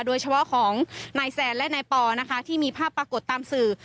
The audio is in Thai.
โดยเฉพาะของนายแซนและนายปอนะคะที่มีภาพปรากฏตามสื่อ